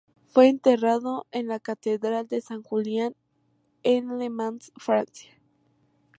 Fue enterrado en la Catedral de San Julián, en Le Mans, Francia.